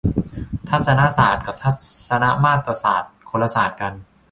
ทัศนศาสตร์ กับทัศนมาตรศาสตร์ คนละศาสตร์กัน